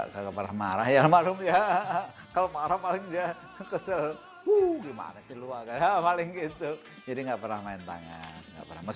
kalau marah paling dia kesel